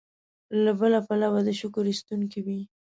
له بل پلوه دې شکر ایستونکی وي.